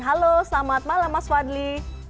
halo selamat malam mas fadli